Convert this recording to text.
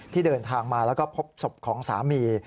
เดินทางมาแล้วก็พบศพของสามี